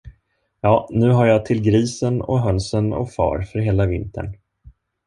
Ja, nu har jag till grisen och hönsen och far för hela vintern.